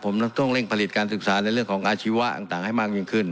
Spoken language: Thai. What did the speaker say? ผมต้องเร่งผลิตการศึกษาในเรื่องของอาชีวะต่างให้มากยิ่งขึ้น